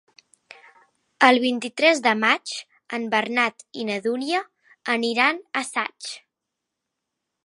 El vint-i-tres de maig en Bernat i na Dúnia aniran a Saix.